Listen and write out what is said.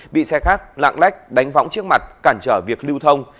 bị xe khác lạng lách đánh võng trước mặt cản trở việc lưu thông